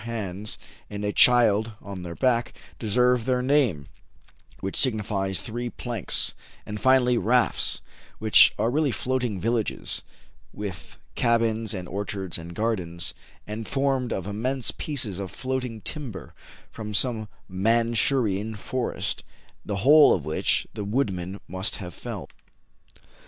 hands and a child on their back, deserve their name, which signifies three planks ; and, finally, rafts, which are really floating villages with cabins and orchards and gardens, and formed of immense pieces of floating timber from some Mandshurian forest, the whole of which the woodmen must have felled.